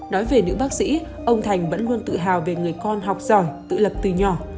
nói về nữ bác sĩ ông thành vẫn luôn tự hào về người con học giỏi tự lập từ nhỏ